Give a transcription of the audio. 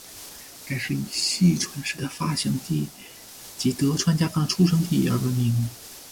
该市以细川氏的发祥地及德川家康的出生地而闻名。